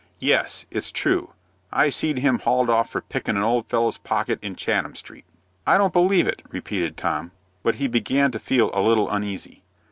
"Yes, it's true. I seed him hauled off for pickin' an old fellow's pocket in Chatham Street." "I don't believe it," repeated Tom; but he began to feel a little uneasy.